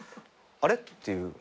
あれっ？っていう。